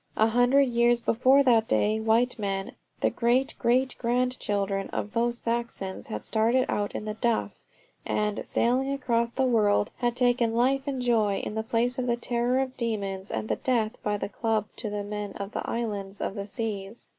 A hundred years before that day white men, the great great grandchildren of those Saxons, had started out in The Duff and, sailing across the world, had taken life and joy in the place of the terror of demons and the death by the club to the men of the Islands of the Seas.